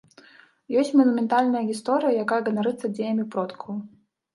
Ёсць манументальная гісторыя, якая ганарыцца дзеямі продкаў.